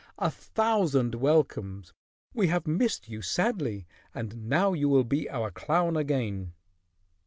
"A thousand welcomes. We have missed you sadly and now you will be our clown again."